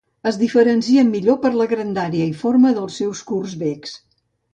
Es diferencien millor per la grandària i forma dels seus curts becs.